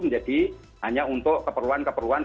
menjadi hanya untuk keperluan keperluan